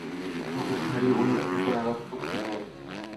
মুখোশধারী ওই নতুন আগন্তুকটি কে?